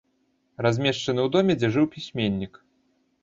Размешчаны ў доме, дзе жыў пісьменнік.